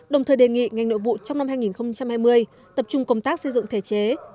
đồng thời đề nghị ngành nội vụ trong năm hai nghìn hai mươi tập trung công tác xây dựng thể chế